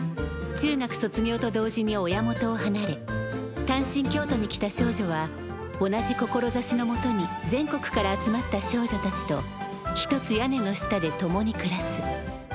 中学卒業と同時に親元をはなれ単身京都に来た少女は同じ志のもとに全国から集まった少女たちと一つ屋根の下で共に暮らす。